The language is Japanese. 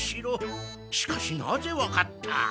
しかしなぜわかった？